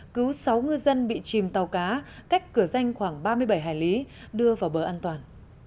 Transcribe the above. cứu sáu ngư dân bị chìm tàu cá cách cửa danh khoảng ba mươi bảy hải lý đưa vào bờ an toàn